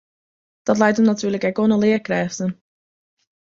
Dat leit him natuerlik ek oan de learkrêften.